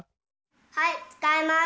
はいつかいます！